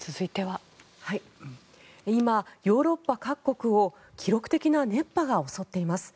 今、ヨーロッパ各国を記録的な熱波が襲っています。